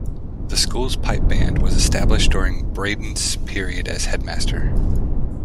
The school's Pipe Band was established during Bryden's period as headmaster.